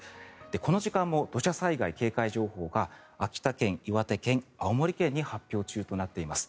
この時間も土砂災害警戒情報が秋田県、岩手県、青森県に発表中となっています。